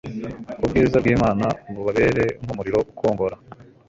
ubwiza bw'Imana bubabera nk'umuriro ukongora.